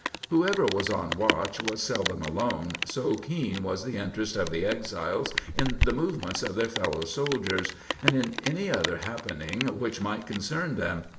Whoever was on watch was seldom alone, so keen was the interest of the exiles in the movements of their fellow soldiers, and in any other happening which might concern them.